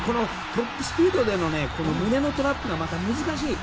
トップスピードでの胸のトラップがまた難しい。